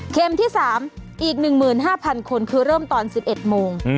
ที่๓อีก๑๕๐๐คนคือเริ่มตอน๑๑โมง